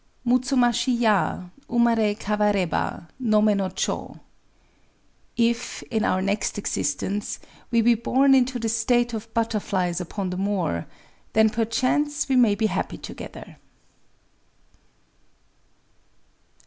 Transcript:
_] Mutsumashi ya!— Umaré kawareba Nobé no chō. [If (in our next existence) _we be born into the state of butterflies upon the moor, then perchance we may be happy together!